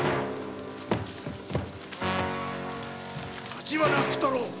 立花福太郎！